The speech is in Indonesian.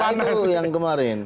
itu yang kemarin